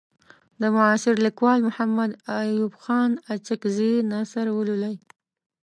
د معاصر لیکوال محمد ایوب خان اڅکزي نثر ولولئ.